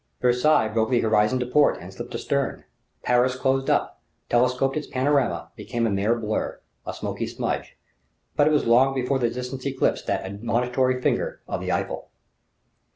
Versailles broke the horizon to port and slipped astern. Paris closed up, telescoped its panorama, became a mere blur, a smoky smudge. But it was long before the distance eclipsed that admonitory finger of the Eiffel.